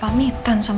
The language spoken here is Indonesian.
rusito pemisah ku